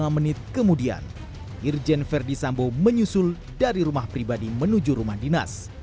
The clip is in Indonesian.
lima menit kemudian irjen verdi sambo menyusul dari rumah pribadi menuju rumah dinas